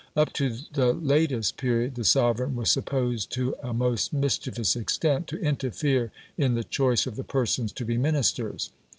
Up to the latest period the sovereign was supposed, to a most mischievous extent, to interfere in the choice of the persons to be Ministers.